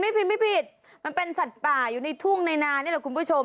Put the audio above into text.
ไม่ผิดไม่ผิดมันเป็นสัตว์ป่าอยู่ในทุ่งในนานี่แหละคุณผู้ชม